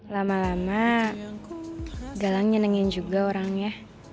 lama lama galang nyenengin juga orangnya